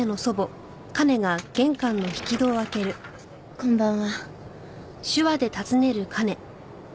こんばんは。